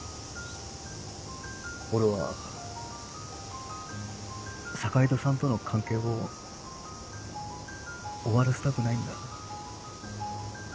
俺は坂井戸さんとの関係を終わらせたくないんだ。